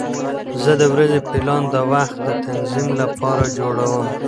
زه د ورځې پلان د وخت د تنظیم لپاره جوړوم.